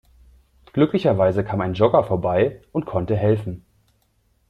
Glücklicherweise kam ein Jogger vorbei und konnte helfen.